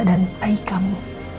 dan baik kamu